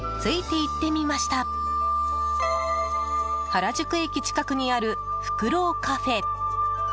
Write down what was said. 原宿駅近くにあるフクロウカフェ。